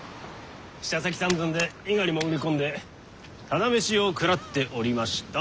舌先三寸で伊賀に潜り込んでただ飯を食らっておりました。